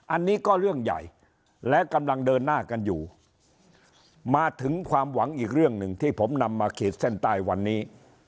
อันนี้ก็เรื่องใหญ่และกำลังเดินหน้ากันอยู่มาถึงความหวังอีกเรื่องหนึ่งที่ผมนำมาขีดเส้นใต้วันนี้